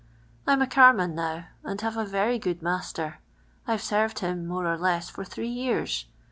I 'm a carman now, and have a very ijond master. I've perved him, more or less, for three years.